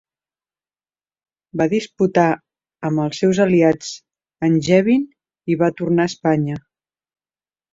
Va disputar amb els seus aliats Angevin i va tornar a Espanya.